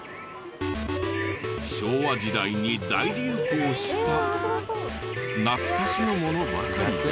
昭和時代に大流行した懐かしのものばかりで。